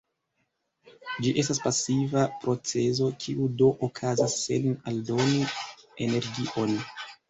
Ĝi estas pasiva procezo, kiu do okazas sen aldoni energion.